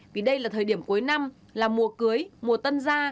vì đây là thời điểm cuối năm là mùa cưới mùa tân gia